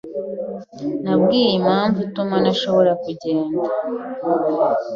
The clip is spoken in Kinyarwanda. Nabwiye impamvu ituma ntashobora kugenda.